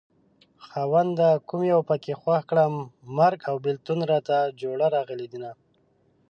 خاونده کوم يو پکې خوښ کړم مرګ او بېلتون راته جوړه راغلي دينه